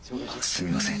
すみません